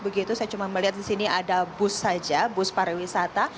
begitu saya cuma melihat di sini ada bus saja bus pariwisata